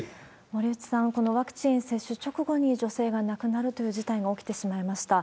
森内さん、このワクチン接種直後に女性が亡くなるという事態が起きてしまいました。